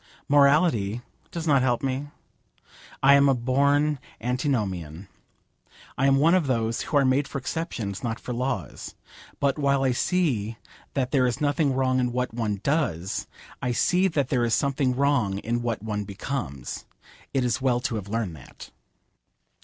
Morality does not help me. I am a born antinomian. I am one of those who are made for exceptions, not for laws. But while I see that there is nothing wrong in what one does, I see that there is something wrong in what one becomes. It is well to have learned that.